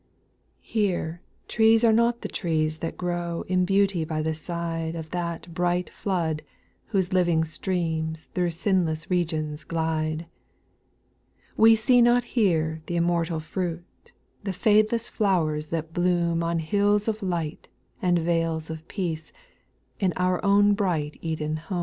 Here trees are not the trees that grow In beauty by the side Of that bright flood whose living streams Through sinless regions glide ;— We see not here th' immortal fruit, The fadeless flowers that bloom On hills of light and vales of peace, In our own bright Eden home.